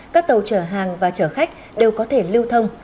các tàu chở hàng và chở khách đều có thể lưu thông